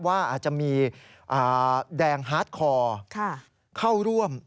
ว่าอาจจะมีแดงฮาร์ดคอร์เข้าร่วม